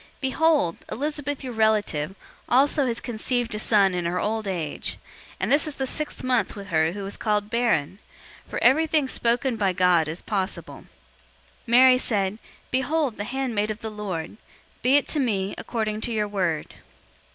001:036 Behold, Elizabeth, your relative, also has conceived a son in her old age; and this is the sixth month with her who was called barren. 001:037 For everything spoken by God is possible." 001:038 Mary said, "Behold, the handmaid of the Lord; be it to me according to your word."